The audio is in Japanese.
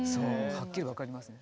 はっきり分かりますね。